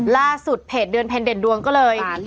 ล่าสุดเพจเดือนเพ็ญเด่นดวงก็เลย